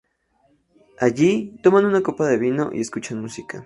Allí, toman una copa de vino y escuchan música.